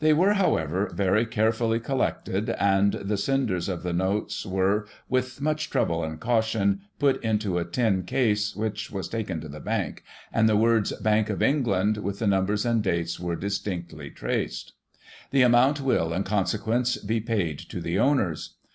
They were, however, very care Digiti ized by Google 26 GOSSIP. [1838 fully collected, and the cinders of the notes were, with much trouble and caution, put into a tin case, which was taken to the Bank, and the words 'Bank of England,' with the numbers and dates, were distinctly traced. The amount will, in consequence, be paid to the owners.